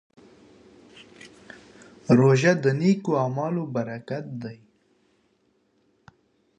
روژه د نېکو اعمالو برکت دی.